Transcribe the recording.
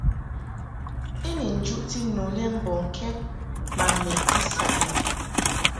I ni njuʼti nu le mbɔŋkɛd ma meʼti saʼ yab.